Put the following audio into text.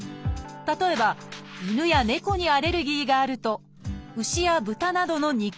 例えば犬や猫にアレルギーがあると牛や豚などの肉。